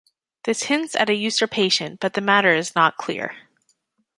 This hints at a usurpation, but the matter is not clear.